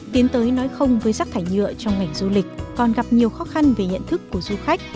tiến tới nói không với rác thải nhựa trong ngành du lịch còn gặp nhiều khó khăn về nhận thức của du khách